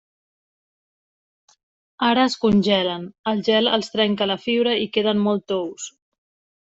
Ara es congelen, el gel els trenca la fibra i queden molt tous.